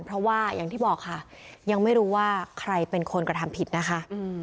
เพราะว่าอย่างที่บอกค่ะยังไม่รู้ว่าใครเป็นคนกระทำผิดนะคะ